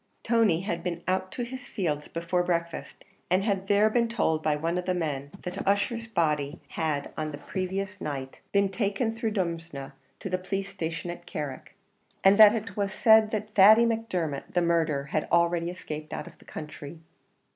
Tony had been out to his fields before breakfast, and had there been told by one of the men that Ussher's body had on the previous night been taken through Drumsna to the police station at Carrick, and that it was said that Thady Macdermot, the murderer, had already escaped out of the country.